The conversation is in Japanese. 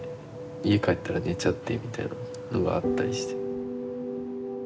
家帰ったら寝ちゃってみたいなのがあったりして。